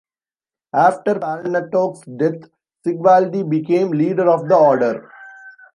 After Palnatoke's death, Sigvaldi became leader of the order.